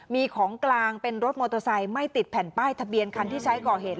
มีของกลางเป็นรถมอเตอร์ไซค์ไม่ติดแผ่นป้ายทะเบียนคันที่ใช้ก่อเหตุ